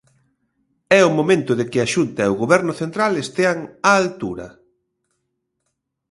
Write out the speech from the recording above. É o momento de que a Xunta e o Goberno central estean á altura.